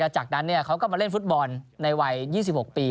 จากนั้นเขาก็มาเล่นฟุตบอลในวัย๒๖ปี